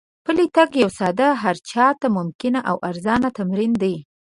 پلی تګ یو ساده، هر چا ته ممکن او ارزانه تمرین دی.